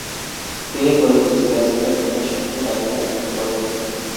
তিনি ফরিদপুর জিলা স্কুলের প্রধান শিক্ষকের দায়িত্বভার গ্রহণ করেন।